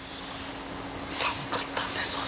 寒かったんですわ。